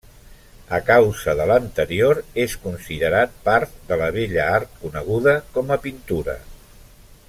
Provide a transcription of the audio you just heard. A causa de l'anterior, és considerat part de la bella art coneguda com a pintura.